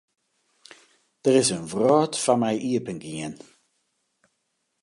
Der is in wrâld foar my iepengien.